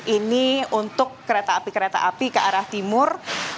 ini untuk kereta api kereta api ke arah timur